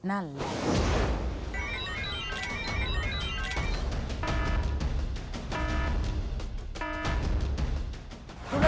นั่นล่ะ